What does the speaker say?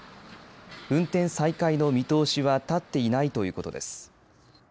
運転再開の見通しは立っていないということです。